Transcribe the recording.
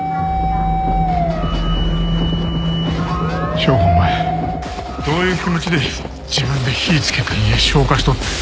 省吾お前どういう気持ちで自分で火ぃつけた家消火しとったんや。